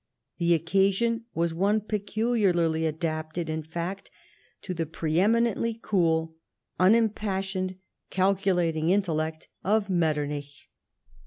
The occasion was one peculiarly adapted, in fact, to the pre eminently cool, unimpassioned, calculating intellect of Metternich.